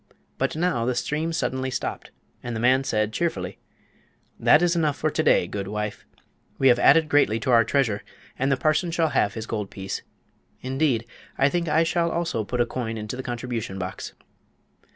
But now the stream suddenly stopped, and the man said, cheerfully: "That is enough for to day, good wife! We have added greatly to our treasure, and the parson shall have his gold piece. Indeed, I think I shall also put a coin into the contribution box."